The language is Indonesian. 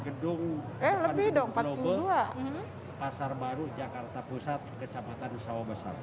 gedung soto globe pasar baru jakarta pusat kecamatan sawo besar